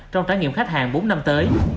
trong trái nghiệm khách hàng bốn năm tới